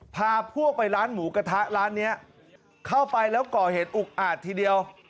พาพวกไปร้านหมูกระทะร้านนี้เข้าไปแล้วก่อเหตุอุกอาจทีเดียว